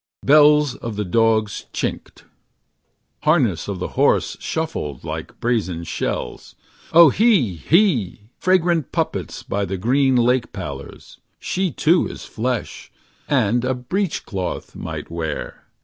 Bells of the dogs chinked. Harness of the horses shuffled Like brazen shells. Oh he he ! Fragrant puppets By the green lake pallors. She too is flesh. And a breech cloth might wear.